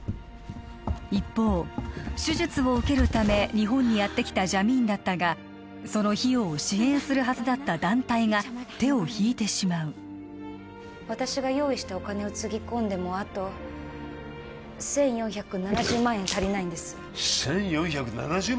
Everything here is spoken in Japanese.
一方手術を受けるため日本にやってきたジャミーンだったがその費用を支援するはずだった団体が手を引いてしまう私が用意したお金をつぎ込んでもあと１４７０万円足りないんです１４７０万！？